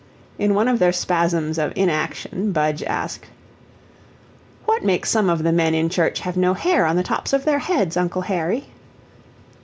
In one of their spasms of inaction, Budge asked: "What makes some of the men in church have no hair on the tops of their heads, Uncle Harry?"